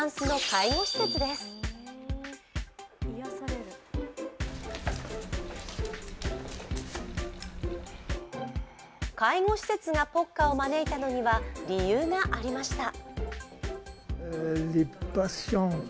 介護施設がポッカを招いたのには理由がありました。